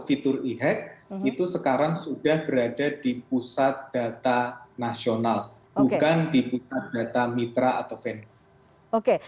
fitur ihek itu sekarang sudah berada di pusat data nasional bukan di data mitra atau oke